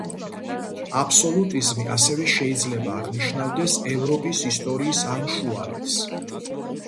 აბსოლუტიზმი ასევე შეიძლება აღნიშნავდეს ევროპის ისტორიის ამ შუალედს.